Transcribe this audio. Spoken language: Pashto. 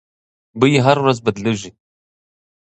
بیې هره ورځ بدلیږي.